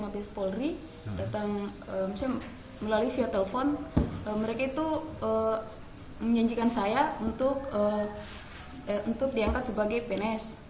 mabes polri datang misalnya melalui via telepon mereka itu menjanjikan saya untuk diangkat sebagai pns